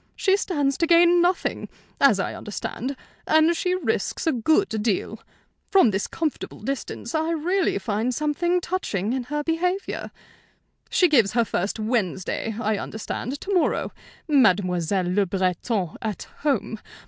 She stands to gain nothing, as I understand; and she risks a good deal. From this comfortable distance, I really find something touching in her behavior. "She gives her first 'Wednesday,' I understand, to morrow. 'Mademoiselle Le Breton at home!'